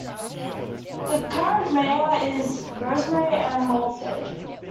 The current Mayor is Rosemarie M. Wolford.